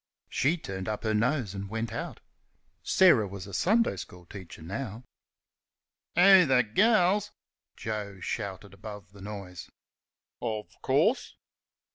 She turned up her nose and went out. Sarah was a Sunday school teacher now. "Who, the girls?" Joe shouted, above the noise. "'O' course."